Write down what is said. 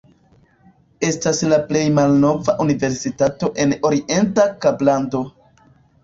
Estas la plej malnova universitato en Orienta Kablando.